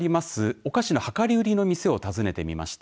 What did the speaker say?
お菓子の量り売りの店を訪ねてみました。